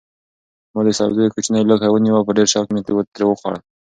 ما د سبزیو کوچنی لوښی ونیو او په ډېر شوق مې ترې وخوړل.